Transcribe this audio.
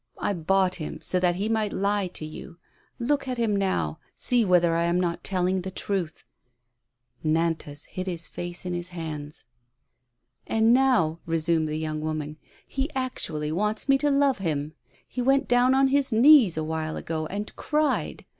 I bought him, so that he might lie to you. Look at him now. See whether I am not telling you the truth." A SPOILED TRIUMPH. 95 Nantas hid his face in his hands. ''And now," resumed the young woman, " he actually wants me to love him. He went down on his knees awhile ago and cried.